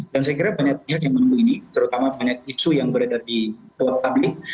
dan saya kira banyak pihak yang menunggu ini terutama banyak isu yang berada di luar publik